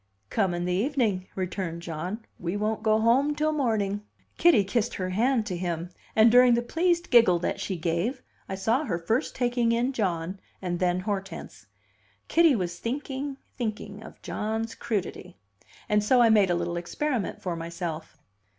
"Come in the evening," returned John. "We won't go home till morning." Kitty kissed her hand to him, and, during the pleased giggle that she gave, I saw her first taking in John and then Hortense. Kitty was thinking, thinking, of John's "crudity." And so I made a little experiment for myself.